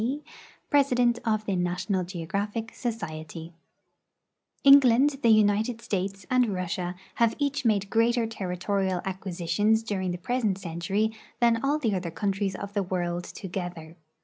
D., President of the National Geographic Society England, the United States, and Russia have each made greater territorial acquisitions during the present century than all the other countries of the world together.